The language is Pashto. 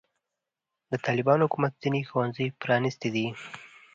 د طالبانو حکومت ځینې ښوونځي پرانستې دي.